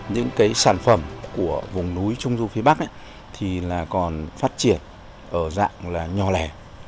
những sản phẩm của vùng núi trung du phía bắc còn phát triển ở dạng nhò lẻ